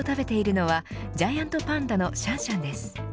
むしゃむしゃとタケノコを食べているのはジャイアントパンダのシャンシャンです。